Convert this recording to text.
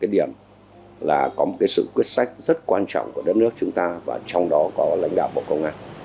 cái điểm là có một sự quyết sách rất quan trọng của đất nước chúng ta và trong đó có lãnh đạo bộ công an